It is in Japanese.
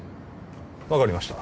分かりました